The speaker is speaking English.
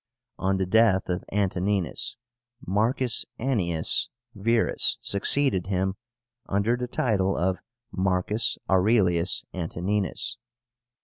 On the death of Antonínus, Marcus Annius Verus succeeded him under the title of Marcus Aurelius Antonínus.